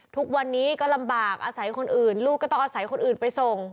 ทุกวันนี้ก็ลำบากอาศัยคนอื่นลูกก็ต้องอาศัยคนอื่นไปส่ง